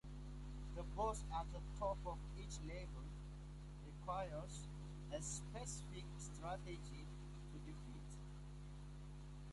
The boss at the top of each level requires a specific strategy to defeat.